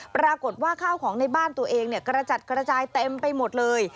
ปรากฏว่าข้าวของในบ้านตัวเองกระจัดกระจายเต็มไปหมดเลย